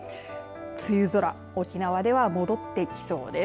梅雨空沖縄では戻ってきそうです。